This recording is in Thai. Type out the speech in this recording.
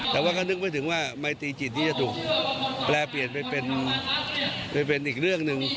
แต่ว่าก็นึกไม่ถึงว่าไมตีจิตที่จะถูกแปลเปลี่ยนไปเป็นอีกเรื่องหนึ่ง